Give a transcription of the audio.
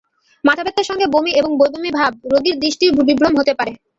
মাথাব্যথার সঙ্গে বমি এবং বমি বমি ভাব রোগীর দৃষ্টিবিভ্রম হতে পারে।